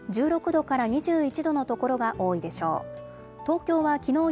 １６度から２１度の所が多いでしょう。